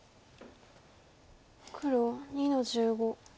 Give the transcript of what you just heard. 黒２の十五。